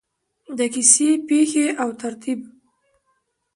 د کیسې پیښې او ترتیب: